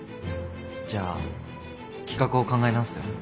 じゃあ企画を考え直すよ。